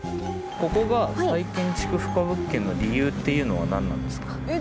ここが再建築不可物件の理由っていうのは何なんですか？